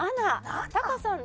タカさん